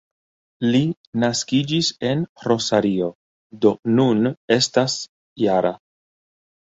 Li naskiĝis en Rosario, do nun estas -jara.